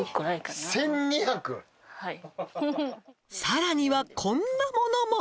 「さらにはこんなものも」